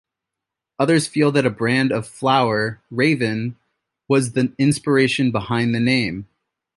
Others feel that a brand of flour, "Raven", was the inspiration behind the name.